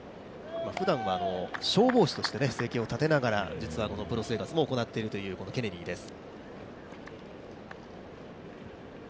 ふだんは、消防士として生計を立てながら実はプロ生活も行っているというケネリーです。